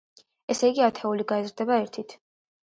ესე იგი, ათეულები გაიზრდება ერთით.